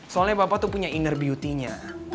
soalnya bapak tuh punya inner beauty nya